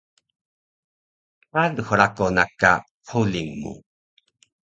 Qalux rako na ka huling mu